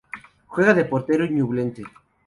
Juega de portero en Ñublense.